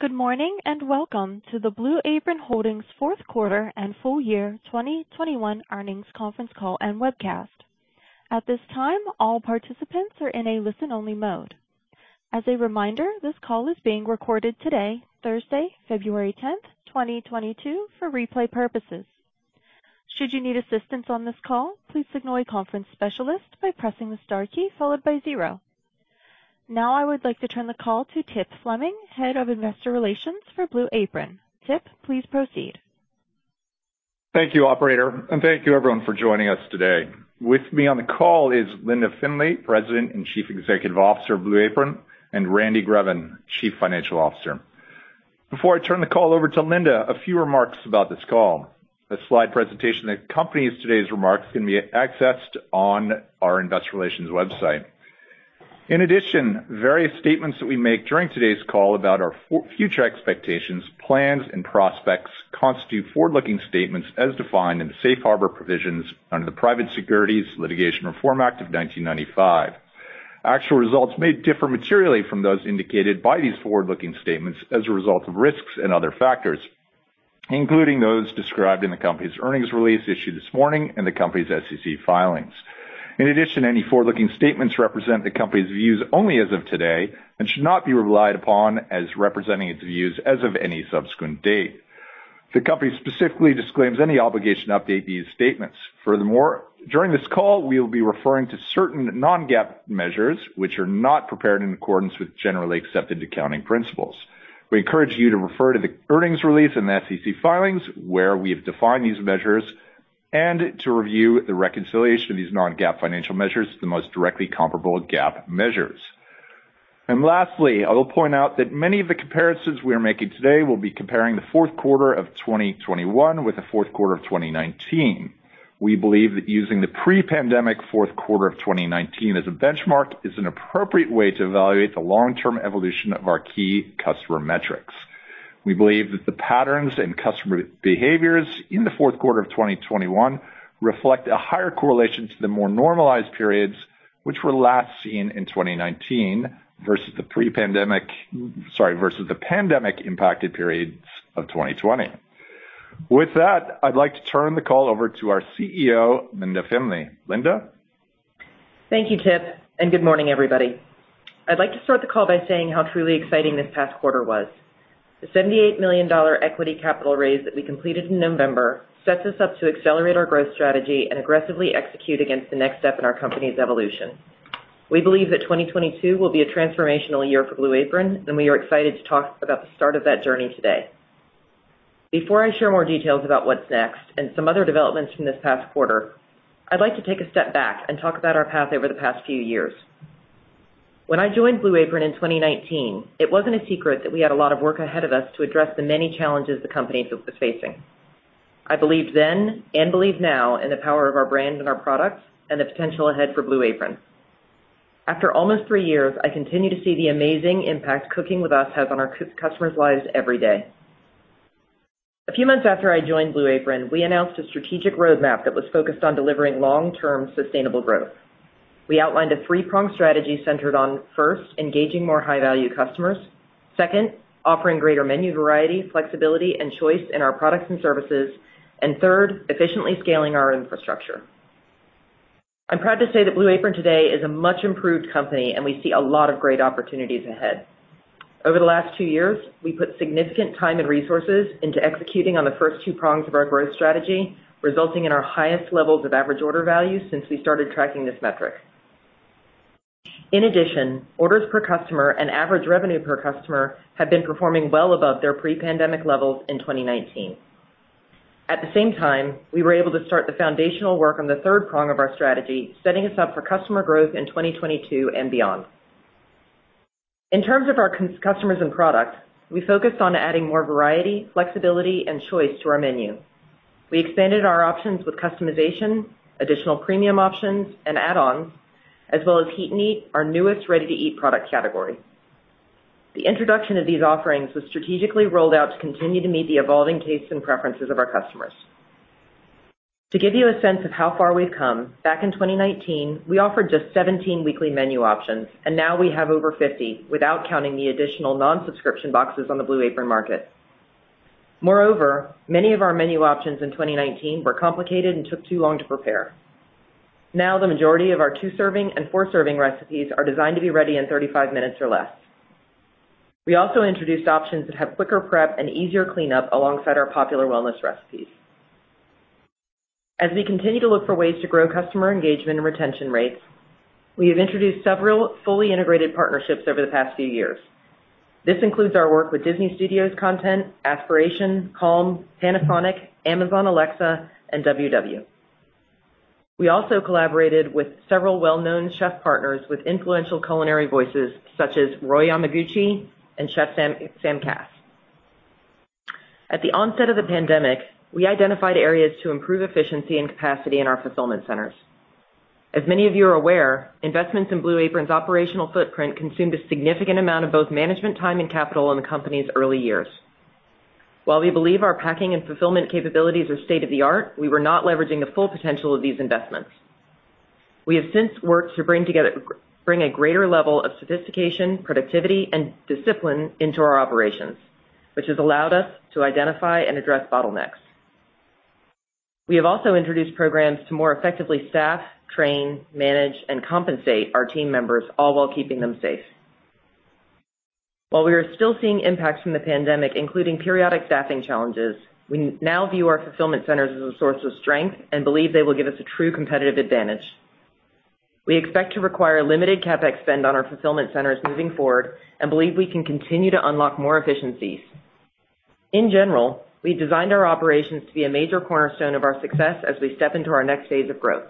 Good morning, and welcome to the Blue Apron Holdings Fourth Quarter and Full Year 2021 Earnings Conference Call and Webcast. At this time, all participants are in a listen-only mode. As a reminder, this call is being recorded today, Thursday, February 10, 2022, for replay purposes. Should you need assistance on this call, please signal a conference specialist by pressing the star key followed by zero. Now I would like to turn the call to Tip Fleming, Head of Investor Relations for Blue Apron. Tip, please proceed. Thank you, operator, and thank you everyone for joining us today. With me on the call is Linda Findley, President and Chief Executive Officer of Blue Apron, and Randy Greben, Chief Financial Officer. Before I turn the call over to Linda, a few remarks about this call. A slide presentation that accompanies today's remarks can be accessed on our investor relations website. In addition, various statements that we make during today's call about our future expectations, plans and prospects constitute forward-looking statements as defined in the safe harbor provisions under the Private Securities Litigation Reform Act of 1995. Actual results may differ materially from those indicated by these forward-looking statements as a result of risks and other factors, including those described in the company's earnings release issued this morning and the company's SEC filings. In addition, any forward-looking statements represent the company's views only as of today and should not be relied upon as representing its views as of any subsequent date. The company specifically disclaims any obligation to update these statements. Furthermore, during this call, we'll be referring to certain non-GAAP measures which are not prepared in accordance with generally accepted accounting principles. We encourage you to refer to the earnings release and the SEC filings where we have defined these measures, and to review the reconciliation of these non-GAAP financial measures to the most directly comparable GAAP measures. Lastly, I will point out that many of the comparisons we are making today will be comparing the fourth quarter of 2021 with the fourth quarter of 2019. We believe that using the pre-pandemic fourth quarter of 2019 as a Benchmark is an appropriate way to evaluate the long-term evolution of our key customer metrics. We believe that the patterns and customer behaviors in the fourth quarter of 2021 reflect a higher correlation to the more normalized periods which were last seen in 2019 versus the pandemic impacted periods of 2020. With that, I'd like to turn the call over to our CEO, Linda Findley. Linda? Thank you, Tip, and good morning, everybody. I'd like to start the call by saying how truly exciting this past quarter was. The $78 million equity capital raise that we completed in November sets us up to accelerate our growth strategy and aggressively execute against the next step in our company's evolution. We believe that 2022 will be a transformational year for Blue Apron, and we are excited to talk about the start of that journey today. Before I share more details about what's next and some other developments from this past quarter, I'd like to take a step back and talk about our path over the past few years. When I joined Blue Apron in 2019, it wasn't a secret that we had a lot of work ahead of us to address the many challenges the company was facing. I believed then and believe now in the power of our brand and our products and the potential ahead for Blue Apron. After almost three years, I continue to see the amazing impact cooking with us has on our customers' lives every day. A few months after I joined Blue Apron, we announced a strategic roadmap that was focused on delivering long-term sustainable growth. We outlined a three-pronged strategy centered on, first, engaging more high-value customers. Second, offering greater menu variety, flexibility and choice in our products and services. Third, efficiently scaling our infrastructure. I'm proud to say that Blue Apron today is a much improved company, and we see a lot of great opportunities ahead. Over the last two years, we put significant time and resources into executing on the first two prongs of our growth strategy, resulting in our highest levels of average order value since we started tracking this metric. In addition, orders per customer and average revenue per customer have been performing well above their pre-pandemic levels in 2019. At the same time, we were able to start the foundational work on the third prong of our strategy, setting us up for customer growth in 2022 and beyond. In terms of our customers and products, we focused on adding more variety, flexibility and choice to our menu. We expanded our options with customization, additional premium options and add-ons, as well as Heat & Eat, our newest ready-to-eat product category. The introduction of these offerings was strategically rolled out to continue to meet the evolving tastes and preferences of our customers. To give you a sense of how far we've come, back in 2019, we offered just 17 weekly menu options, and now we have over 50, without counting the additional non-subscription boxes on the Blue Apron Market. Moreover, many of our menu options in 2019 were complicated and took too long to prepare. Now, the majority of our two-serving and four-serving recipes are designed to be ready in 35 minutes or less. We also introduced options that have quicker prep and easier cleanup alongside our popular wellness recipes. As we continue to look for ways to grow customer engagement and retention rates, we have introduced several fully integrated partnerships over the past few years. This includes our work with Disney Studios content, Aspiration, Calm, Panasonic, Amazon Alexa, and WW. We also collaborated with several well-known chef partners with influential culinary voices such as Roy Yamaguchi and Chef Sam Kass. At the onset of the pandemic, we identified areas to improve efficiency and capacity in our fulfillment centers. As many of you are aware, investments in Blue Apron's operational footprint consumed a significant amount of both management time and capital in the company's early years. While we believe our packing and fulfillment capabilities are state-of-the-art, we were not leveraging the full potential of these investments. We have since worked to bring a greater level of sophistication, productivity, and discipline into our operations, which has allowed us to identify and address bottlenecks. We have also introduced programs to more effectively staff, train, manage, and compensate our team members, all while keeping them safe. While we are still seeing impacts from the pandemic, including periodic staffing challenges, we now view our fulfillment centers as a source of strength and believe they will give us a true competitive advantage. We expect to require limited CapEx spend on our fulfillment centers moving forward and believe we can continue to unlock more efficiencies. In general, we designed our operations to be a major Cornerstone of our success as we step into our next phase of growth.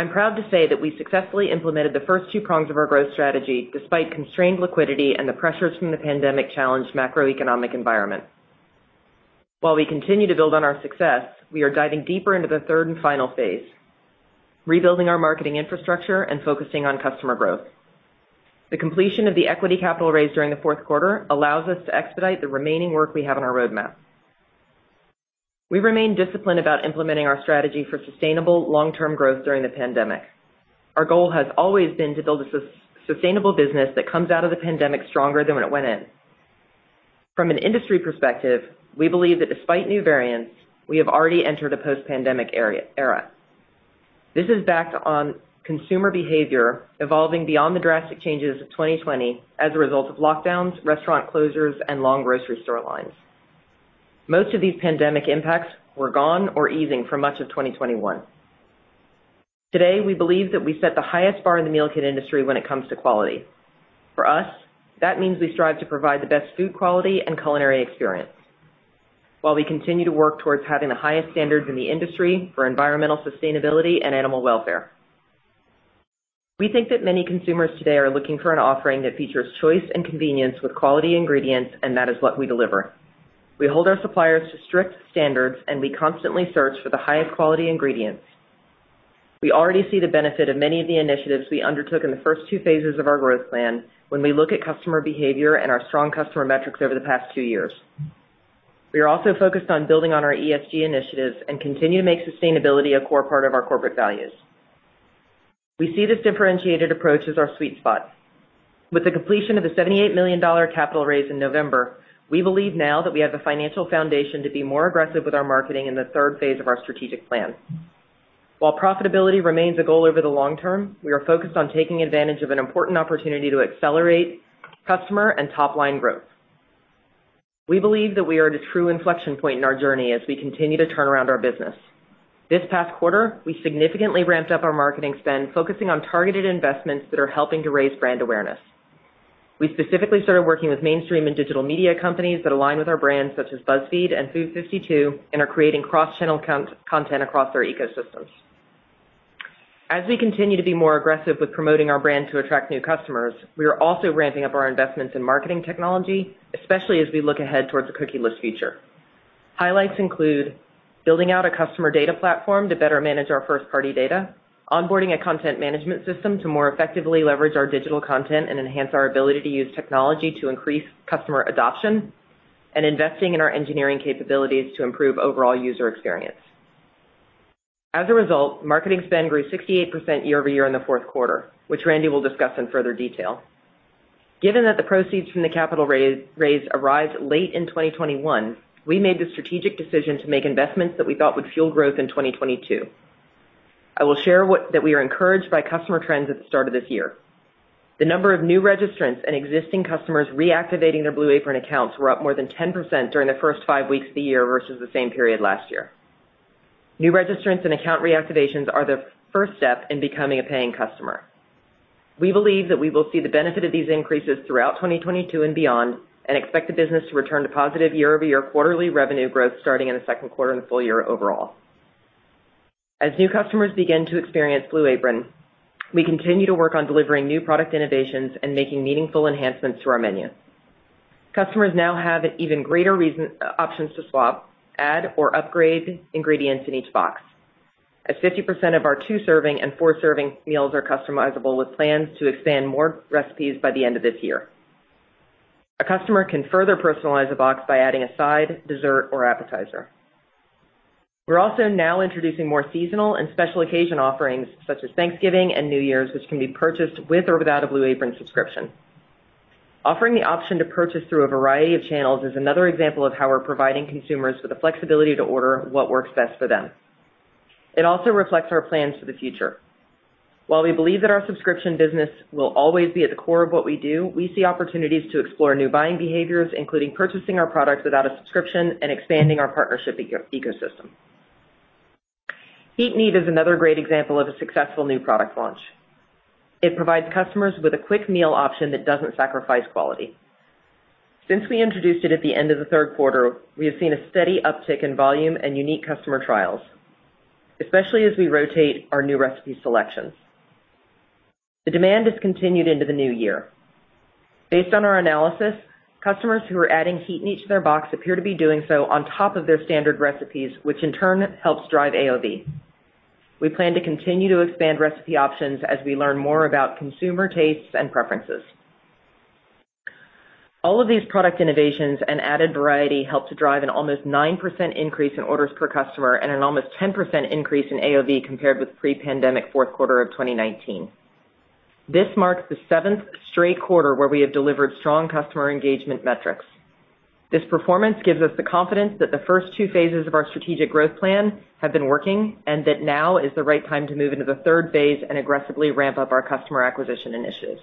I'm proud to say that we successfully implemented the first two prongs of our growth strategy despite constrained liquidity and the pressures from the pandemic-challenged macroeconomic environment. While we continue to build on our success, we are diving deeper into the third and final phase, rebuilding our marketing infrastructure and focusing on customer growth. The completion of the equity capital raise during the fourth quarter allows us to expedite the remaining work we have on our roadmap. We remain disciplined about implementing our strategy for sustainable long-term growth during the pandemic. Our goal has always been to build a sustainable business that comes out of the pandemic stronger than when it went in. From an industry perspective, we believe that despite new variants, we have already entered a post-pandemic era. This is based on consumer behavior evolving beyond the drastic changes of 2020 as a result of lockdowns, restaurant closures, and long grocery store lines. Most of these pandemic impacts were gone or easing for much of 2021. Today, we believe that we set the highest bar in the meal kit industry when it comes to quality. For us, that means we strive to provide the best food quality and culinary experience while we continue to work towards having the highest standards in the industry for environmental sustainability and animal welfare. We think that many consumers today are looking for an offering that features choice and convenience with quality ingredients, and that is what we deliver. We hold our suppliers to strict standards, and we constantly search for the highest quality ingredients. We already see the benefit of many of the initiatives we undertook in the first two phases of our growth plan when we look at customer behavior and our strong customer metrics over the past two years. We are also focused on building on our ESG initiatives and continue to make sustainability a core part of our corporate values. We see this differentiated approach as our sweet spot. With the completion of the $78 million capital raise in November, we believe now that we have the financial foundation to be more aggressive with our marketing in the third phase of our strategic plan. While profitability remains a goal over the long term, we are focused on taking advantage of an important opportunity to accelerate customer and top-line growth. We believe that we are at a true inflection point in our journey as we continue to turn around our business. This past quarter, we significantly ramped up our marketing spend, focusing on targeted investments that are helping to raise brand awareness. We specifically started working with mainstream and digital media companies that align with our brands such as BuzzFeed and Food52 and are creating cross-channel content across our ecosystems. As we continue to be more aggressive with promoting our brand to attract new customers, we are also ramping up our investments in marketing technology, especially as we look ahead towards a cookieless future. Highlights include building out a customer data platform to better manage our first-party data, onboarding a content management system to more effectively leverage our digital content and enhance our ability to use technology to increase customer adoption, and investing in our engineering capabilities to improve overall user experience. As a result, marketing spend grew 68% year-over-year in the fourth quarter, which Randy will discuss in further detail. Given that the proceeds from the capital raise arrived late in 2021, we made the strategic decision to make investments that we thought would fuel growth in 2022. I will share that we are encouraged by customer trends at the start of this year. The number of new registrants and existing customers reactivating their Blue Apron accounts were up more than 10% during the first five weeks of the year versus the same period last year. New registrants and account reactivations are the first step in becoming a paying customer. We believe that we will see the benefit of these increases throughout 2022 and beyond and expect the business to return to positive year-over-year quarterly revenue growth starting in the second quarter and full year overall. As new customers begin to experience Blue Apron, we continue to work on delivering new product innovations and making meaningful enhancements to our menu. Customers now have even greater options to swap, add, or upgrade ingredients in each box, as 50% of our two-serving and four-serving meals are customizable, with plans to expand more recipes by the end of this year. A customer can further personalize a box by adding a side, dessert, or appetizer. We're also now introducing more seasonal and special occasion offerings, such as Thanksgiving and New Year's, which can be purchased with or without a Blue Apron subscription. Offering the option to purchase through a variety of channels is another example of how we're providing consumers with the flexibility to order what works best for them. It also reflects our plans for the future. While we believe that our subscription business will always be at the core of what we do, we see opportunities to explore new buying behaviors, including purchasing our products without a subscription and expanding our partner ecosystem. Heat & Eat is another great example of a successful new product launch. It provides customers with a quick meal option that doesn't sacrifice quality. Since we introduced it at the end of the third quarter, we have seen a steady uptick in volume and unique customer trials, especially as we rotate our new recipe selections. The demand has continued into the new year. Based on our analysis, customers who are adding Heat & Eat to their box appear to be doing so on top of their standard recipes, which in turn helps drive AOV. We plan to continue to expand recipe options as we learn more about consumer tastes and preferences. All of these product innovations and added variety helped to drive an almost 9% increase in orders per customer and an almost 10% increase in AOV compared with pre-pandemic fourth quarter of 2019. This marks the seventh straight quarter where we have delivered strong customer engagement metrics. This performance gives us the confidence that the first two phases of our strategic growth plan have been working, and that now is the right time to move into the third phase and aggressively ramp up our customer acquisition initiatives.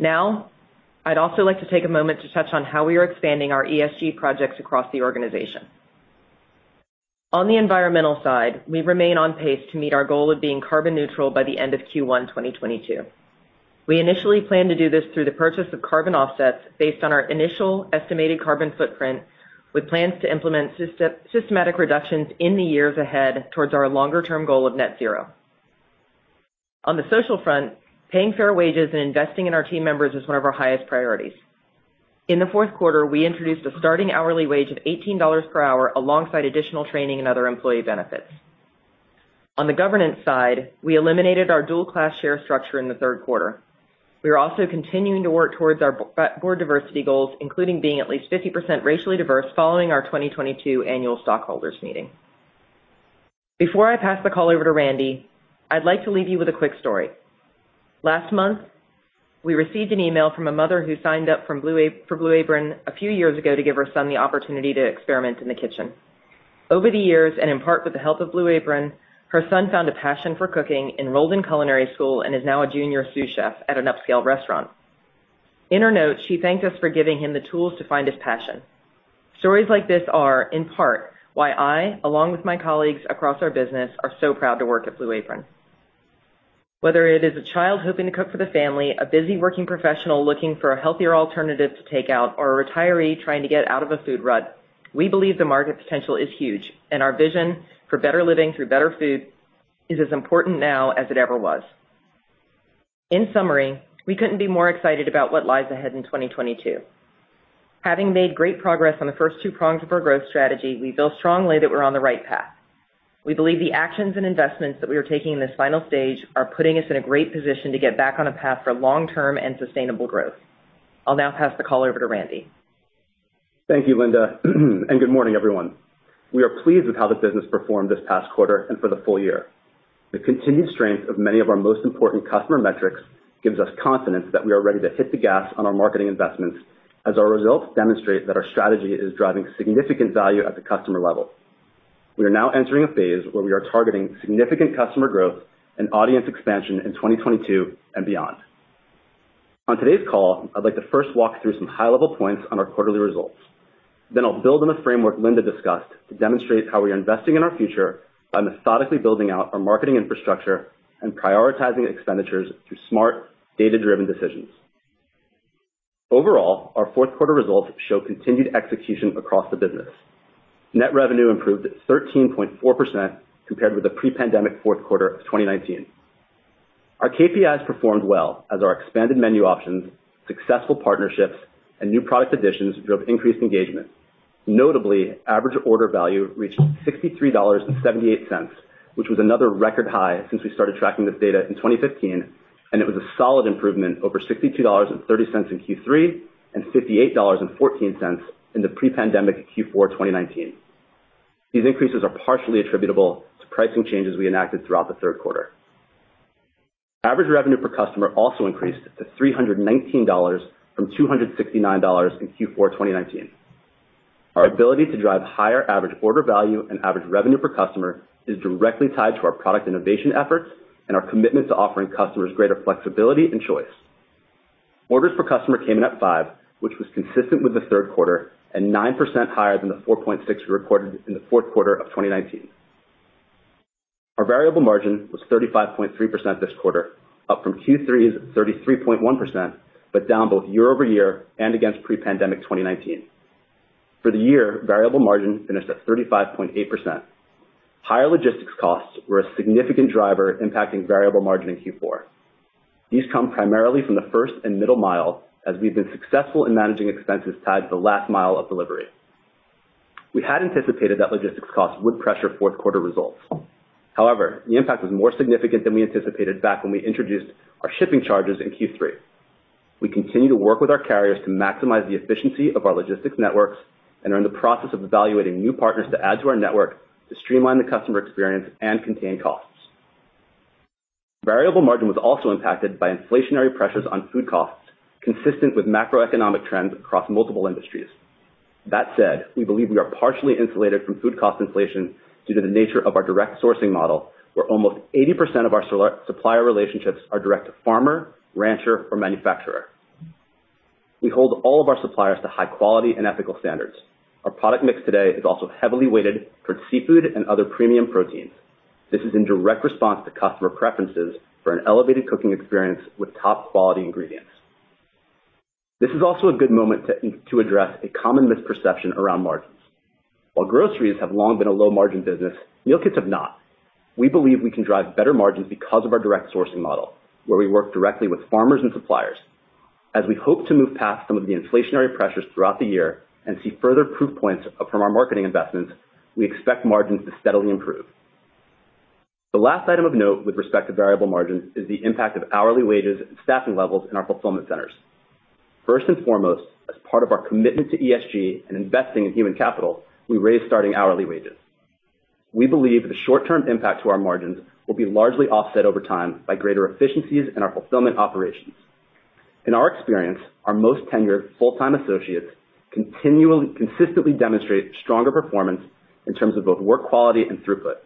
Now, I'd also like to take a moment to touch on how we are expanding our ESG projects across the organization. On the environmental side, we remain on pace to meet our goal of being carbon neutral by the end of Q1 2022. We initially plan to do this through the purchase of carbon offsets based on our initial estimated carbon footprint, with plans to implement systematic reductions in the years ahead towards our longer-term goal of net zero. On the social front, paying fair wages and investing in our team members is one of our highest priorities. In the fourth quarter, we introduced a starting hourly wage of $18 per hour alongside additional training and other employee benefits. On the governance side, we eliminated our dual class share structure in the third quarter. We are also continuing to work towards our board diversity goals, including being at least 50% racially diverse following our 2022 Annual Stockholders Meeting. Before I pass the call over to Randy, I'd like to leave you with a quick story. Last month, we received an email from a mother who signed up for Blue Apron a few years ago to give her son the opportunity to experiment in the kitchen. Over the years, and in part with the help of Blue Apron, her son found a passion for cooking, enrolled in culinary school, and is now a junior sous chef at an upscale restaurant. In her note, she thanked us for giving him the tools to find his passion. Stories like this are, in part, why I, along with my colleagues across our business, are so proud to work at Blue Apron. Whether it is a child hoping to cook for the family, a busy working professional looking for a healthier alternative to take out, or a retiree trying to get out of a food rut, we believe the market potential is huge, and our vision for better living through better food is as important now as it ever was. In summary, we couldn't be more excited about what lies ahead in 2022. Having made great progress on the first two prongs of our growth strategy, we feel strongly that we're on the right path. We believe the actions and investments that we are taking in this final stage are putting us in a great position to get back on a path for long-term and sustainable growth. I'll now pass the call over to Randy. Thank you, Linda, and good morning, everyone. We are pleased with how the business performed this past quarter and for the full year. The continued strength of many of our most important customer metrics gives us confidence that we are ready to hit the gas on our marketing investments as our results demonstrate that our strategy is driving significant value at the customer level. We are now entering a phase where we are targeting significant customer growth and audience expansion in 2022 and beyond. On today's call, I'd like to first walk through some high-level points on our quarterly results. Then I'll build on the framework Linda discussed to demonstrate how we are investing in our future by methodically building out our marketing infrastructure and prioritizing expenditures through smart, data-driven decisions. Overall, our fourth quarter results show continued execution across the business. Net revenue improved 13.4% compared with the pre-pandemic fourth quarter of 2019. Our KPIs performed well as our expanded menu options, successful partnerships, and new product additions drove increased engagement. Notably, average order value reached $63.78, which was another record high since we started tracking this data in 2015, and it was a solid improvement over $62.30 in Q3, and $58.14 in the pre-pandemic Q4, 2019. These increases are partially attributable to pricing changes we enacted throughout the third quarter. Average revenue per customer also increased to $319 from $269 in Q4, 2019. Our ability to drive higher average order value and average revenue per customer is directly tied to our product innovation efforts and our commitment to offering customers greater flexibility and choice. Orders per customer came in at five, which was consistent with the third quarter and 9% higher than the 4.6 we recorded in the fourth quarter of 2019. Our variable margin was 35.3% this quarter, up from Q3's 33.1%, but down both year-over-year and against pre-pandemic 2019. For the year, variable margin finished at 35.8%. Higher logistics costs were a significant driver impacting variable margin in Q4. These come primarily from the first and middle mile as we've been successful in managing expenses tied to the last mile of delivery. We had anticipated that logistics costs would pressure fourth quarter results. However, the impact was more significant than we anticipated back when we introduced our shipping charges in Q3. We continue to work with our carriers to maximize the efficiency of our logistics networks and are in the process of evaluating new partners to add to our network to streamline the customer experience and contain costs. Variable margin was also impacted by inflationary pressures on food costs, consistent with macroeconomic trends across multiple industries. That said, we believe we are partially insulated from food cost inflation due to the nature of our direct sourcing model, where almost 80% of our supplier relationships are direct to farmer, rancher, or manufacturer. We hold all of our suppliers to high quality and ethical standards. Our product mix today is also heavily weighted towards seafood and other premium proteins. This is in direct response to customer preferences for an elevated cooking experience with top-quality ingredients. This is also a good moment to address a common misperception around margins. While groceries have long been a low-margin business, meal kits have not. We believe we can drive better margins because of our direct sourcing model, where we work directly with farmers and suppliers. As we hope to move past some of the inflationary pressures throughout the year and see further proof points from our marketing investments, we expect margins to steadily improve. The last item of note with respect to variable margins is the impact of hourly wages and staffing levels in our fulfillment centers. First and foremost, as part of our commitment to ESG and investing in human capital, we raised starting hourly wages. We believe the short-term impact to our margins will be largely offset over time by greater efficiencies in our fulfillment operations. In our experience, our most tenured full-time associates continually, consistently demonstrate stronger performance in terms of both work quality and throughput.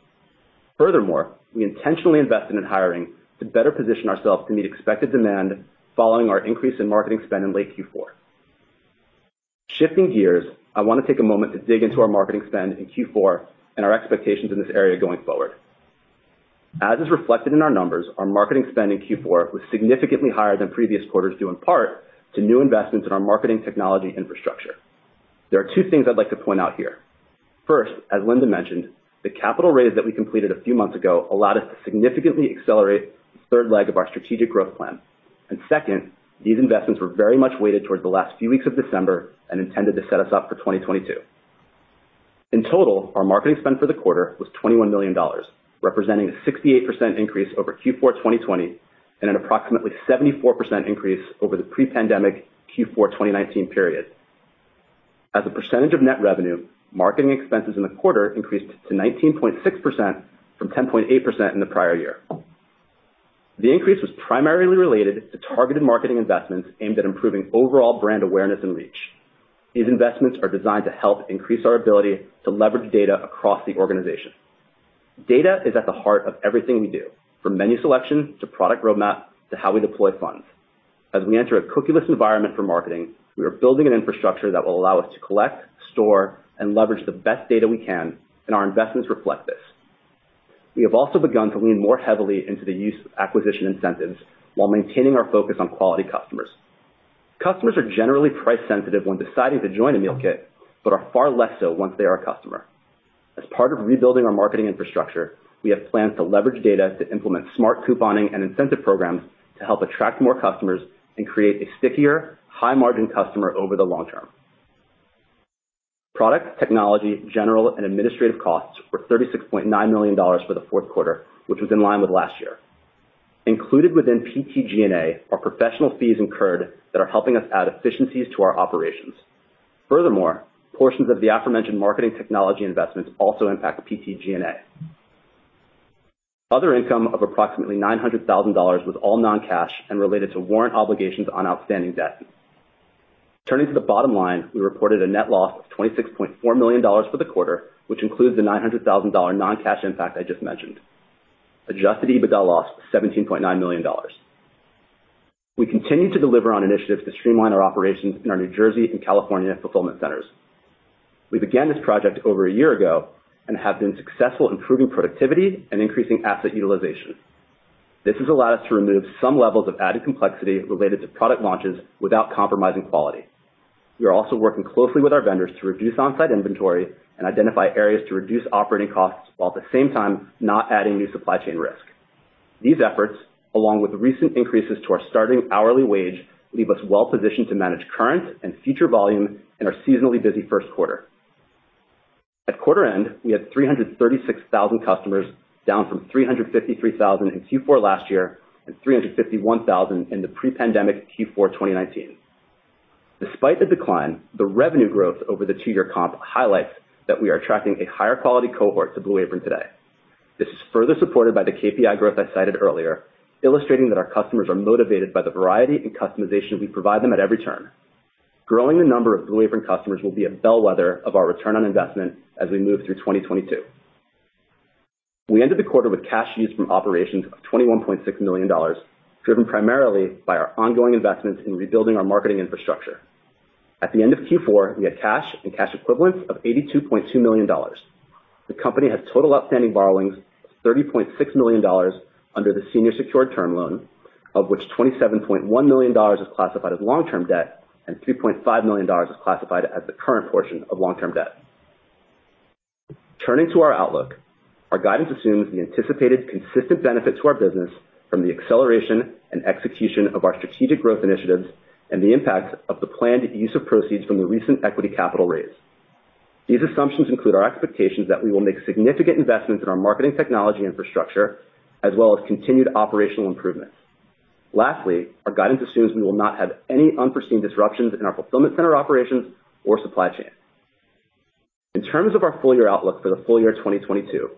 Furthermore, we intentionally invested in hiring to better position ourselves to meet expected demand following our increase in marketing spend in late Q4. Shifting gears, I wanna take a moment to dig into our marketing spend in Q4 and our expectations in this area going forward. As is reflected in our numbers, our marketing spend in Q4 was significantly higher than previous quarters, due in part to new investments in our marketing technology infrastructure. There are two things I'd like to point out here. First, as Linda mentioned, the capital raise that we completed a few months ago allowed us to significantly accelerate the third leg of our strategic growth plan. Second, these investments were very much weighted towards the last few weeks of December and intended to set us up for 2022. In total, our marketing spend for the quarter was $21 million, representing a 68% increase over Q4 2020, and an approximately 74% increase over the pre-pandemic Q4 2019 period. As a percentage of net revenue, marketing expenses in the quarter increased to 19.6% from 10.8% in the prior year. The increase was primarily related to targeted marketing investments aimed at improving overall brand awareness and reach. These investments are designed to help increase our ability to leverage data across the organization. Data is at the heart of everything we do, from menu selection to product roadmap to how we deploy funds. As we enter a cookieless environment for marketing, we are building an infrastructure that will allow us to collect, store, and leverage the best data we can, and our investments reflect this. We have also begun to lean more heavily into the use of acquisition incentives while maintaining our focus on quality customers. Customers are generally price-sensitive when deciding to join a meal kit, but are far less so once they are a customer. As part of rebuilding our marketing infrastructure, we have plans to leverage data to implement smart couponing and incentive programs to help attract more customers and create a stickier, high margin customer over the long term. Product, technology, general and administrative costs were $36.9 million for the fourth quarter, which was in line with last year. Included within PTG&A are professional fees incurred that are helping us add efficiencies to our operations. Furthermore, portions of the aforementioned marketing technology investments also impact PTG&A. Other income of approximately $900,000 was all non-cash and related to warrant obligations on outstanding debt. Turning to the bottom line, we reported a net loss of $26.4 million for the quarter, which includes the $900,000 non-cash impact I just mentioned. Adjusted EBITDA loss, $17.9 million. We continue to deliver on initiatives to streamline our operations in our New Jersey and California fulfillment centers. We began this project over a year ago and have been successful improving productivity and increasing asset utilization. This has allowed us to remove some levels of added complexity related to product launches without compromising quality. We are also working closely with our vendors to reduce on-site inventory and identify areas to reduce operating costs, while at the same time not adding new supply chain risk. These efforts, along with recent increases to our starting hourly wage, leave us well positioned to manage current and future volume in our seasonally busy first quarter. At quarter end, we had 336,000 customers, down from 353,000 in Q4 last year and 351,000 in the pre-pandemic Q4 2019. Despite the decline, the revenue growth over the two-year comp highlights that we are attracting a higher quality cohort to Blue Apron today. This is further supported by the KPI growth I cited earlier, illustrating that our customers are motivated by the variety and customization we provide them at every turn. Growing the number of Blue Apron customers will be a bellwether of our return on investment as we move through 2022. We ended the quarter with cash use from operations of $21.6 million, driven primarily by our ongoing investments in rebuilding our marketing infrastructure. At the end of Q4, we had cash and cash equivalents of $82.2 million. The company had total outstanding borrowings of $30.6 million under the senior secured term loan, of which $27.1 million is classified as long-term debt and $2.5 million is classified as the current portion of long-term debt. Turning to our outlook, our guidance assumes the anticipated consistent benefits to our business from the acceleration and execution of our strategic growth initiatives and the impacts of the planned use of proceeds from the recent equity capital raise. These assumptions include our expectations that we will make significant investments in our marketing technology infrastructure as well as continued operational improvements. Lastly, our guidance assumes we will not have any unforeseen disruptions in our fulfillment center operations or supply chain. In terms of our full year outlook for the full year 2022,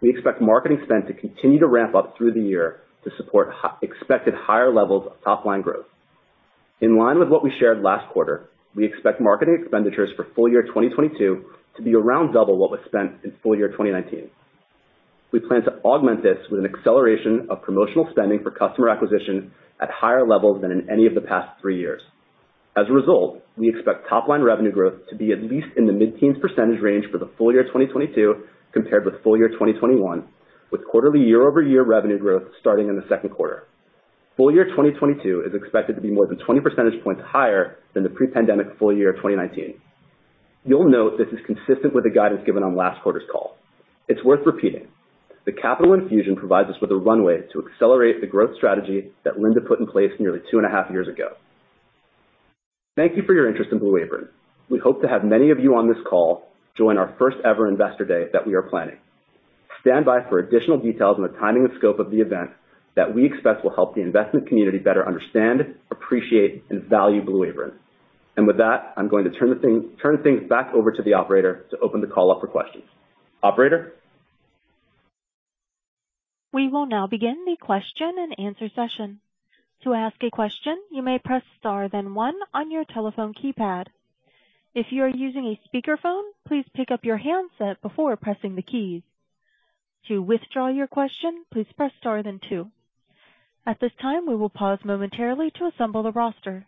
we expect marketing spend to continue to ramp up through the year to support expected higher levels of top line growth. In line with what we shared last quarter, we expect marketing expenditures for full year 2022 to be around double what was spent in full year 2019. We plan to augment this with an acceleration of promotional spending for customer acquisition at higher levels than in any of the past three years. As a result, we expect top line revenue growth to be at least in the mid-teens % range for the full year 2022 compared with full year 2021, with quarterly year-over-year revenue growth starting in the second quarter. Full year 2022 is expected to be more than 20 percentage points higher than the pre-pandemic full year of 2019. You'll note this is consistent with the guidance given on last quarter's call. It's worth repeating. The capital infusion provides us with a runway to accelerate the growth strategy that Linda put in place nearly 2.5 years ago. Thank you for your interest in Blue Apron. We hope to have many of you on this call join our first ever Investor Day that we are planning. Stand by for additional details on the timing and scope of the event that we expect will help the investment community better understand, appreciate and value Blue Apron. With that, I'm going to turn things back over to the operator to open the call up for questions. Operator? We will now begin the question and answer session. To ask a question, you may press star then one on your telephone keypad. If you are using a speakerphone, please pick up your handset before pressing the keys. To withdraw your question, please press Star then two. At this time, we will pause momentarily to assemble the roster.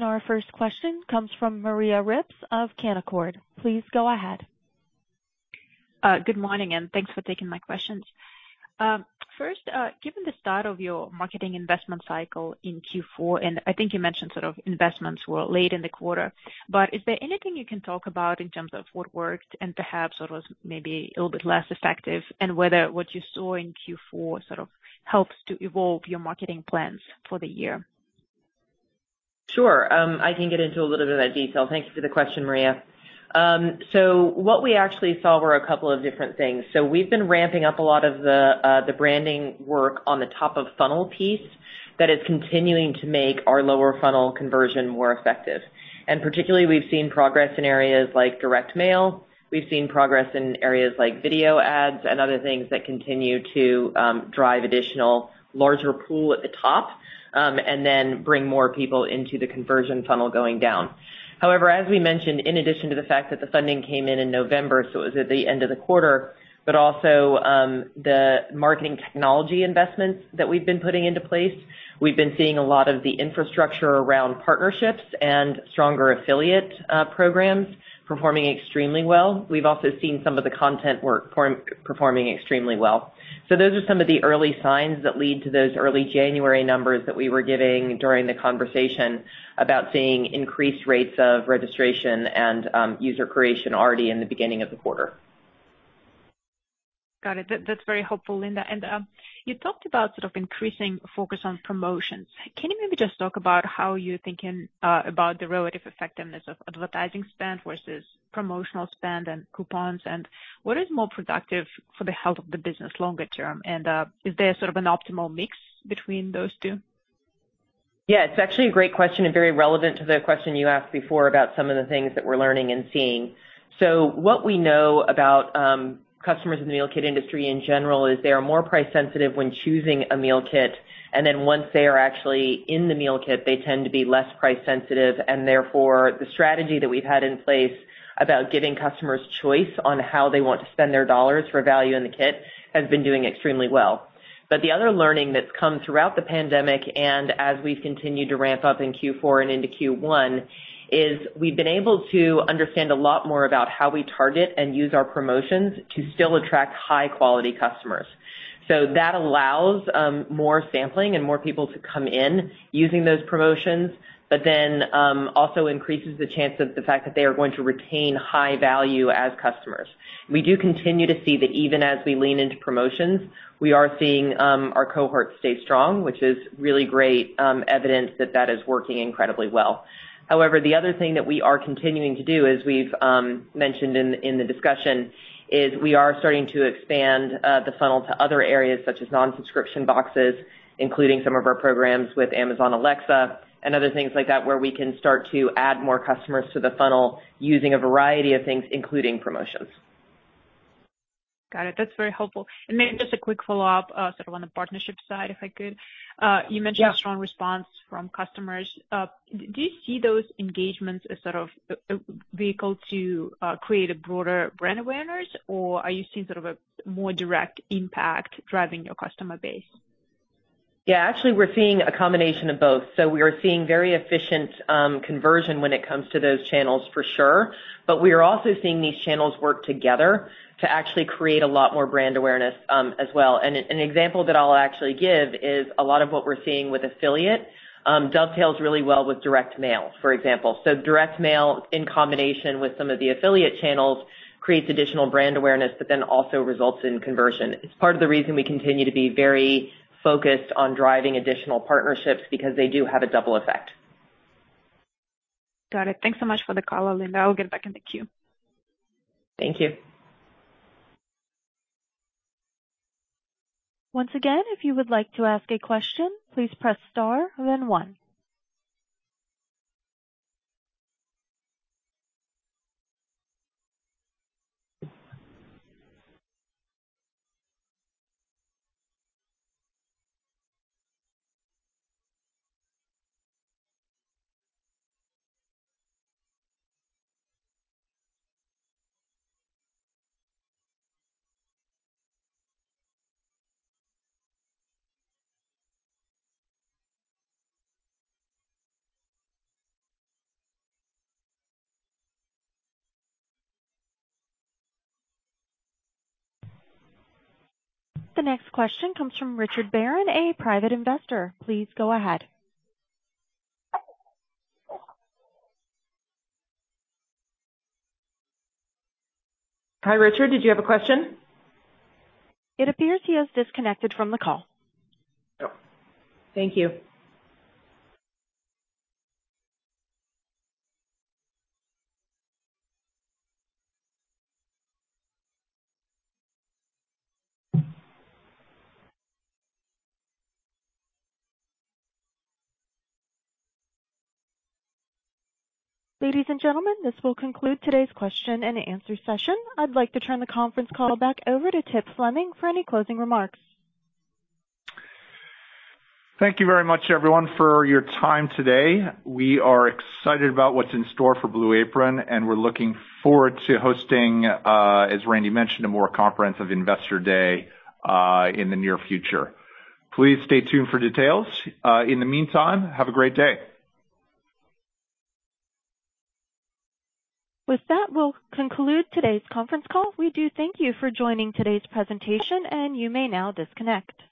Our first question comes from Maria Ripps of Canaccord Genuity. Please go ahead. Good morning, and thanks for taking my questions. First, given the start of your marketing investment cycle in Q4, and I think you mentioned sort of investments were late in the quarter, but is there anything you can talk about in terms of what worked and perhaps what was maybe a little bit less effective, and whether what you saw in Q4 sort of helps to evolve your marketing plans for the year? Sure. I can get into a little bit of that detail. Thank you for the question, Maria. What we actually saw were a couple of different things. We've been ramping up a lot of the branding work on the top of funnel piece that is continuing to make our lower funnel conversion more effective. Particularly we've seen progress in areas like direct mail. We've seen progress in areas like video ads and other things that continue to drive additional larger pool at the top, and then bring more people into the conversion funnel going down. However, as we mentioned, in addition to the fact that the funding came in in November, so it was at the end of the quarter, but also, the marketing technology investments that we've been putting into place, we've been seeing a lot of the infrastructure around partnerships and stronger affiliate programs performing extremely well. We've also seen some of the content work performing extremely well. Those are some of the early signs that lead to those early January numbers that we were giving during the conversation about seeing increased rates of registration and user creation already in the beginning of the quarter. Got it. That's very helpful, Linda. You talked about sort of increasing focus on promotions. Can you maybe just talk about how you're thinking about the relative effectiveness of advertising spend versus promotional spend and coupons, and what is more productive for the health of the business longer term? Is there sort of an optimal mix between those two? Yeah, it's actually a great question and very relevant to the question you asked before about some of the things that we're learning and seeing. What we know about customers in the meal kit industry in general is they are more price sensitive when choosing a meal kit, and then once they are actually in the meal kit, they tend to be less price sensitive. Therefore, the strategy that we've had in place about giving customers choice on how they want to spend their dollars for value in the kit has been doing extremely well. The other learning that's come throughout the pandemic, and as we've continued to ramp up in Q4 and into Q1, is we've been able to understand a lot more about how we target and use our promotions to still attract high quality customers. That allows more sampling and more people to come in using those promotions, but then also increases the chance of the fact that they are going to retain high value as customers. We do continue to see that even as we lean into promotions, we are seeing our cohorts stay strong, which is really great evidence that that is working incredibly well. However, the other thing that we are continuing to do, as we've mentioned in the discussion, is we are starting to expand the funnel to other areas such as non-subscription boxes, including some of our programs with Amazon Alexa and other things like that, where we can start to add more customers to the funnel using a variety of things, including promotions. Got it. That's very helpful. Maybe just a quick follow-up, sort of on the partnership side, if I could. You mentioned. Yeah. strong response from customers. Do you see those engagements as sort of a vehicle to create a broader brand awareness, or are you seeing sort of a more direct impact driving your customer base? Yeah, actually, we're seeing a combination of both. We are seeing very efficient, conversion when it comes to those channels for sure, but we are also seeing these channels work together to actually create a lot more brand awareness, as well. An example that I'll actually give is a lot of what we're seeing with affiliate, dovetails really well with direct mail, for example. Direct mail in combination with some of the affiliate channels creates additional brand awareness but then also results in conversion. It's part of the reason we continue to be very focused on driving additional partnerships because they do have a double effect. Got it. Thanks so much for the call, Linda. I'll get back in the queue. Thank you. The next question comes from Richard Baron, a private investor. Please go ahead. Hi, Richard, did you have a question? It appears he has disconnected from the call. Oh, thank you. Ladies and gentlemen, this will conclude today's question and answer session. I'd like to turn the conference call back over to Tip Fleming for any closing remarks. Thank you very much, everyone, for your time today. We are excited about what's in store for Blue Apron, and we're looking forward to hosting, as Randy mentioned, a more comprehensive Investor Day, in the near future. Please stay tuned for details. In the meantime, have a great day. With that, we'll conclude today's conference call. We do thank you for joining today's presentation, and you may now disconnect.